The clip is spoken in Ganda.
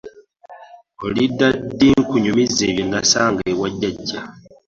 Olidda ddi nkunyumize bye nasanga ewa jjajja?